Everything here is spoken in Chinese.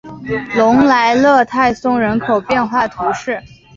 隆莱勒泰松人口变化图示